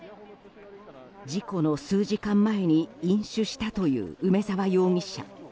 事故の数時間前に飲酒したという梅沢容疑者。